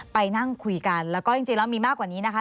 ไปนั่งคุยกันแล้วก็จริงแล้วมีมากกว่านี้นะคะ